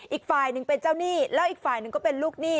อีกฝ่ายหนึ่งเป็นเจ้าหนี้แล้วอีกฝ่ายหนึ่งก็เป็นลูกหนี้